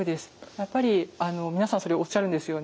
やっぱり皆さんそれおっしゃるんですよね。